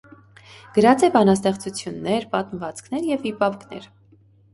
Գրած է բանաստեղծութիւններ, պատմուածքներ եւ վիպակներ։